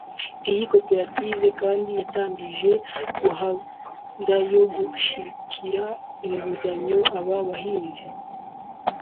Iyi koperative kandi yatangije gahunda yo gushakira inguzanyo aba bahinzi